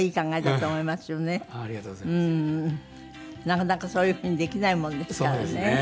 なかなかそういう風にできないもんですからね。